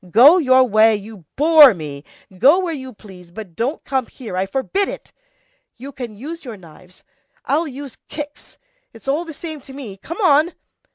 Go your way, you bore me! Go where you please, but don't come here, I forbid it! You can use your knives. I'll use kicks; it's all the same to me, come on!"